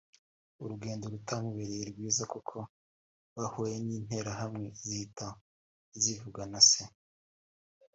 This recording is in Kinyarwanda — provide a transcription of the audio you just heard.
urugendo rutamubereye rwiza kuko bahuye n’Interahamwe zihita zivugana se